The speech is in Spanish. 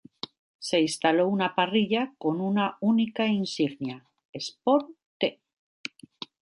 Se instaló una parrilla con una única insignia "spor t".